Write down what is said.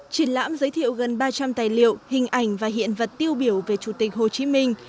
triển lãm giới thiệu gần ba trăm linh tài liệu hình ảnh và hiện vật tiêu biểu về chủ tịch hồ chí minh